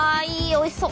おいしそう！